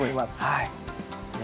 はい。